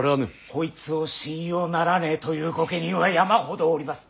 こいつを信用ならねえという御家人は山ほどおります。